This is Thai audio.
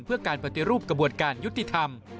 เพื่อการปฏิรูปกระบวนการยุติธรรม